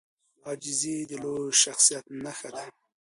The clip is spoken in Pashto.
عاجزي د لوی شخصیت نښه ده.